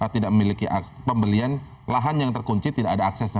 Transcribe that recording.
tidak memiliki pembelian lahan yang terkunci tidak ada aksesnya